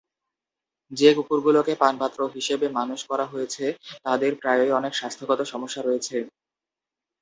যে-কুকুরগুলোকে "পানপাত্র" হিসেবে মানুষ করা হয়েছে, তাদের প্রায়ই অনেক স্বাস্থ্যগত সমস্যা রয়েছে।